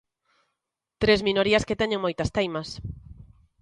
Tres minorías que teñen moitas teimas.